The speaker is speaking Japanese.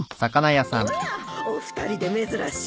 おやお二人で珍しい。